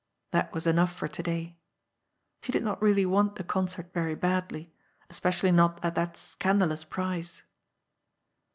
That was enough for to day. She did not really want the concert very badly, especially not at that " scandalous " price.